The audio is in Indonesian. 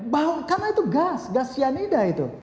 karena itu gas gas sianida itu